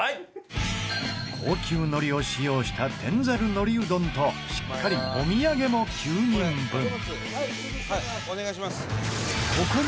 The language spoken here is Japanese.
高級のりを使用した天ざるのりうどんとしっかりお土産も９人分伊達：９つ。